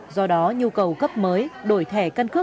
do đó nhu cầu cấp mới đổi thẻ căn cước